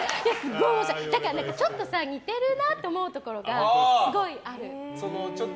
ちょっと似てるなって思うところが、すごいある。